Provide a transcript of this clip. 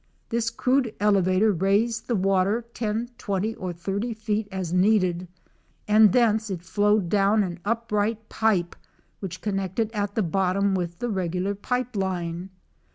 This crude elevator raised the water 10, 20 or 30 feet as needed, and thence it flowed down an upright pipe which connected at the bottom with the regular pipe line.